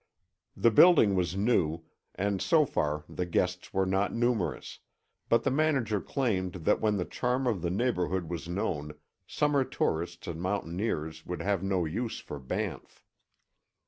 The building was new, and so far the guests were not numerous, but the manager claimed that when the charm of the neighborhood was known, summer tourists and mountaineers would have no use for Banff.